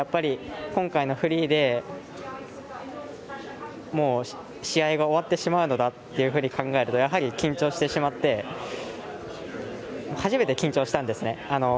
今回のフリーでもう試合が終わってしまうんだって思うとやはり、緊張してしまって初めて緊張したんですね。